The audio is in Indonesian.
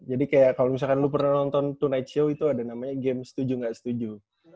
jadi kalau misalkan lu pernah nonton tonight show itu ada namanya game setuju gak setuju